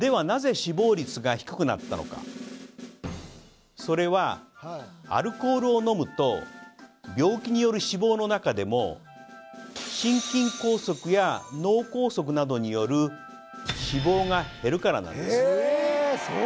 なぜ死亡率が低くなったのかそれはアルコールを飲むと病気による死亡の中でも心筋梗塞や脳梗塞などによる死亡が減るからなんです